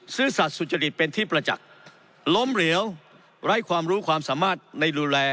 ซื่อสัตว์สุจริตเป็นที่ประจักษ์ล้มเหลวไร้ความรู้ความสามารถในดูแล